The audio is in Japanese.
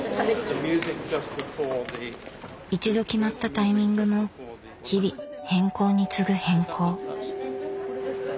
一度決まったタイミングも日々変更に次ぐ変更。